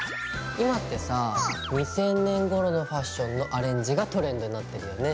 今ってさ２０００年ごろのファッションのアレンジがトレンドになってるよね。